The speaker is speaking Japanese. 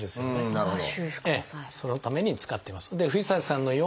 なるほど。